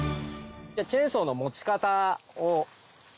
チェーンソーの持ち方を。